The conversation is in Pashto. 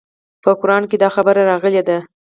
په قران کښې دا خبره راغلې ده.